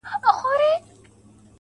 د زړو غمونو یاري، انډيوالي د دردونو.